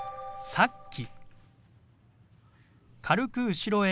「さっき」。